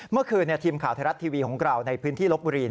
เมื่อคืนทีมข่าวไทยรัฐทีวีของเราในพื้นที่ลบบุรี